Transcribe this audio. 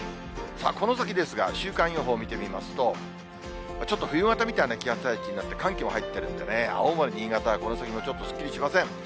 この先ですが、週間予報見てみますと、ちょっと冬型みたいな気圧配置になって、寒気も入ってるんでね、青森、新潟は、この先もちょっとすっきりしません。